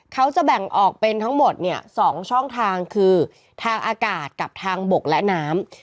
เขาจะแบ่งออกเป็นทั้งหมดเนี่ย๒ช่องทางคือทางอากาศกับทางบกและน้ำ